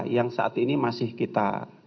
yang saat ini masih kita